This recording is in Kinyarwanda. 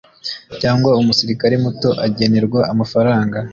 cyangwa Umusirikare Muto agenerwa amafaranga